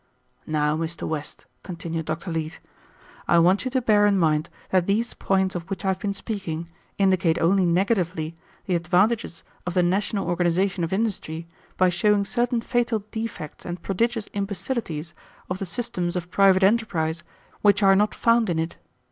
"Now, Mr. West," continued Dr. Leete, "I want you to bear in mind that these points of which I have been speaking indicate only negatively the advantages of the national organization of industry by showing certain fatal defects and prodigious imbecilities of the systems of private enterprise which are not found in it.